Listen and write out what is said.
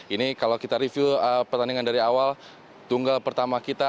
ini kalau kita review pertandingan dari awal tunggal pertama kita